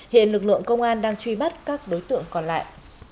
hiện lực lượng công an đang truy bắt các đối tượng còn lại